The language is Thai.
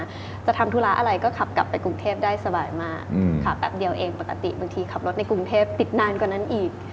ถ้าจะทำธุระอะไรก็ขับกลับไปกรุงเทพได้สบายมากขับแป๊บเดียวเองปกติบางทีขับรถในกรุงเทพปิดนานกว่านั้นอีก